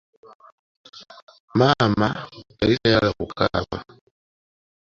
Maama yali tayagala Aku ku kaaba.